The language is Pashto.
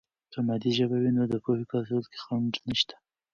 که مادي ژبه وي، نو د پوهې په رسولو کې خنډ نشته.